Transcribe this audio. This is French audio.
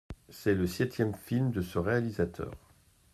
C’est le septième film de ce réalisateur.